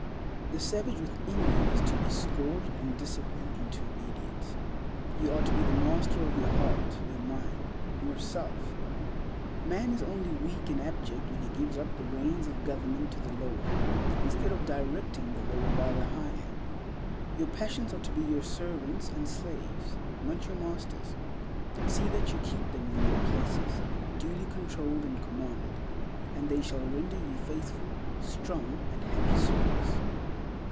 The savage within you is to be scourged and disciplined into obedience. You are to be the master of your heart, your mind, yourself. Man is only weak and abject when he gives up the reins of government to the lower, instead of directing the lower by the higher. Your passions are to be your servants and slaves, not your masters. See that you keep them in their places, duly controlled and commanded, and they shall render you faithful, strong, and happy service.